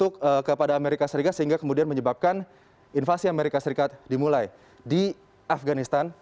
untuk kepada amerika serikat sehingga kemudian menyebabkan invasi amerika serikat dimulai di afganistan